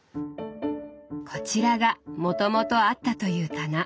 こちらがもともとあったという棚。